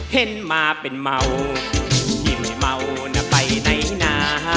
เห็นมาเป็นเมาที่ไม่เมานะไปไหนนะ